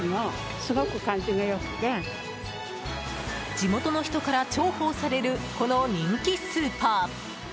地元の人から重宝されるこの人気スーパー。